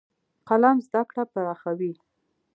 قلم زده کړه پراخوي.